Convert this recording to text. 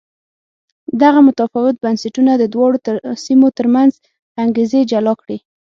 دغه متفاوت بنسټونه د دواړو سیمو ترمنځ انګېزې جلا کړې.